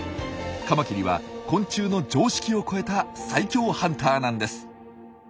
カマキリは昆虫の常識を超えた最強ハンターなんです。